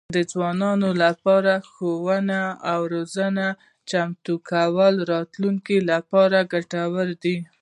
د ځوانانو لپاره د ښوونې او روزنې چمتو کول د راتلونکي لپاره ګټور دي.